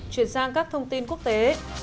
chuyển sang các thông tin quốc tế